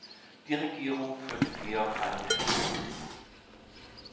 Die Regierung führte Georg Heinrich von Görtz.